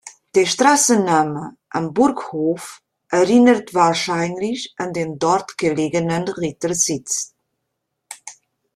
Der Straßenname "Am Burghof" erinnert wahrscheinlich an den dort gelegenen Rittersitz.